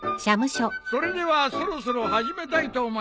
それではそろそろ始めたいと思います。